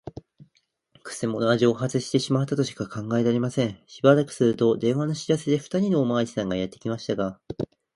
くせ者は蒸発してしまったとしか考えられません。しばらくすると、電話の知らせで、ふたりのおまわりさんがやってきましたが、